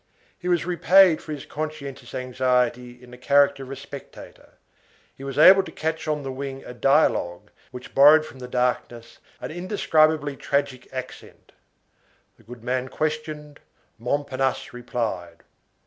He was repaid for his conscientious anxiety in the character of a spectator. He was able to catch on the wing a dialogue which borrowed from the darkness an indescribably tragic accent. The goodman questioned, Montparnasse replied.